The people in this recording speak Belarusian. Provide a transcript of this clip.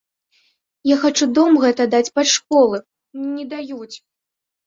Я хачу дом гэты аддаць пад школу, мне не даюць!